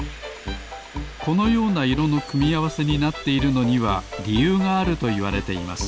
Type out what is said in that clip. このような色のくみあわせになっているのにはりゆうがあるといわれています